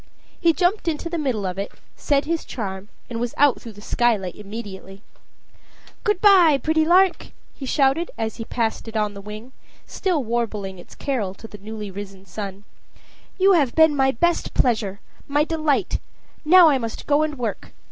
He jumped into the middle of it, said his charm, and was out through the skylight immediately. "Good by, pretty lark!" he shouted, as he passed it on the wing, still warbling its carol to the newly risen sun. "You have been my pleasure, my delight; now I must go and work.